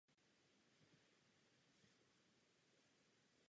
Preferuje zkrácenou formu jména Jeff místo celého Jeffrey.